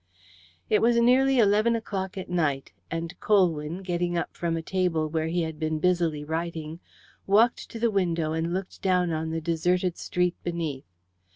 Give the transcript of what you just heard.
It was nearly eleven o'clock at night, and Colwyn, getting up from a table where he had been busily writing, walked to the window and looked down on the deserted street beneath.